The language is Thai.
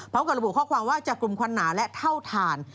พร้อมกับระบุข้อความว่าจากกลุ่มควันหนาและเท่าฐาน